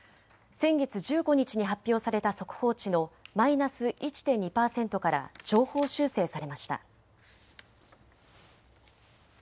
先月１５日に発表された速報値のマイナス１．２％から上方修正されました。